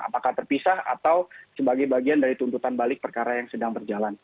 apakah terpisah atau sebagai bagian dari tuntutan balik perkara yang sedang berjalan